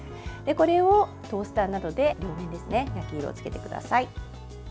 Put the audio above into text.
これをトースターなどで両面焼き色をつけてください。